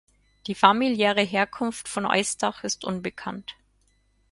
Die familiäre Herkunft von Eustach ist unbekannt.